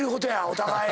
お互い。